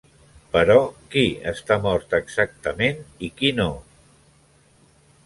Però qui està mort exactament i qui no?